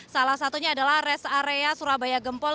salah satunya adalah rest area surabaya gempol